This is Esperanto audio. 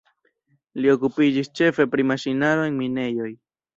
Li okupiĝis ĉefe pri maŝinaro en minejoj.